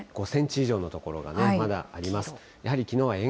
５センチ以上の所がね、まだあります。